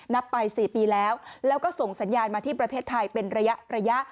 นับไป๔ปีแล้วแล้วก็ส่งสัญญาณมาที่ประเทศไทยเป็นระยะ